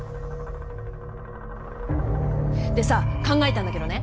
でさ考えたんだけどね